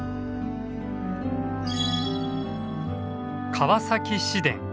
川崎市電。